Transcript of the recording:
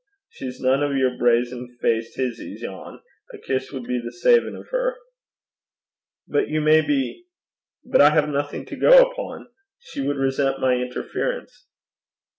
She's nane o' yer brazen faced hizzies, yon. A kiss wad be the savin' o' her.' 'But you may be . But I have nothing to go upon. She would resent my interference.'